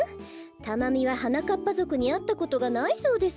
タマミははなかっぱぞくにあったことがないそうですの。